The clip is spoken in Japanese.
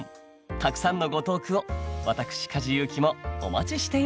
たくさんのご投句を私梶裕貴もお待ちしています